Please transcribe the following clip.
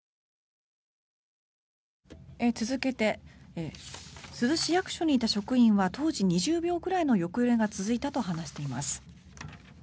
続けて珠洲市役所にいた職員は当時、２０秒くらいの横揺れが続いたと話しています。